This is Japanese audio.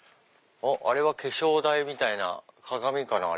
あれは化粧台みたいな鏡かな。